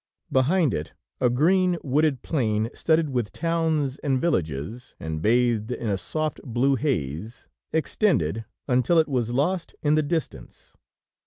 Behind it, a green, wooded plain studded with towns and villages, and bathed in a soft blue haze, extended, until it was lost in the distance.